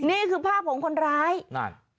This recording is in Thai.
นี่คือภาพของคนร้ายนั่น